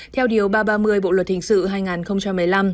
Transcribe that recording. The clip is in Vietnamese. theo điều ba trăm ba mươi bộ luật hình sự hai nghìn một mươi năm